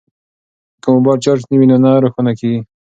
که موبایل چارج نه وي نو نه روښانه کیږي.